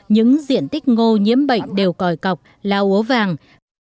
những diện tích ngô nhiễm bệnh đều còi cọc lau ố vàng